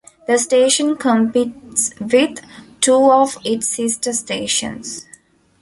The station competes with two of its sister stations.